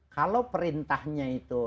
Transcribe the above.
kalau perintahnya itu